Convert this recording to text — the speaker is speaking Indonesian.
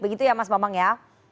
begitu ya mas bambang ya